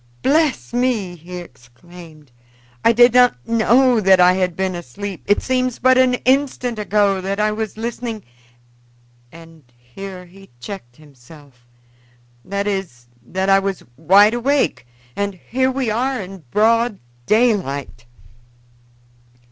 "Bless me!" he exclaimed, "I did not know that I had been asleep. It seems but an instant ago that I was listening" and here he checked himself "that is, that I was wide awake, and here we are in broad daylight."